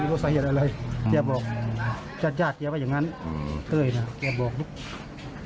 อืมคิดพินกรรม